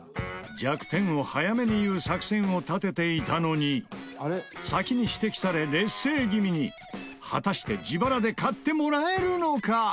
弱点を早めに言う作戦を立てていたのに先に指摘され、劣勢気味に果たして自腹で買ってもらえるのか！？